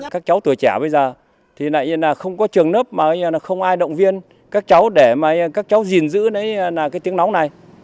các cháu tuổi trẻ bây giờ thì không có trường nấp mà không ai động viên các cháu để mà các cháu gìn giữ cái tiếng lóng này